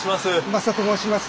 増田と申します。